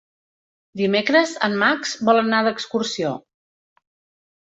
Dimecres en Max vol anar d'excursió.